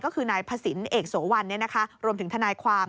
ก็คือนายพระศิลปเอกโสวันรวมถึงทนายความ